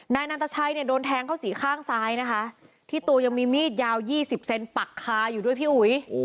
นายนันตชัยเนี่ยโดนแทงเข้าสี่ข้างซ้ายนะคะที่ตัวยังมีมีดยาว๒๐เซนปักคาอยู่ด้วยพี่อุ๋ย